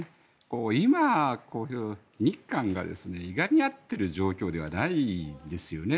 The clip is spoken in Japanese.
今、日韓がいがみ合っている状況ではないですよね。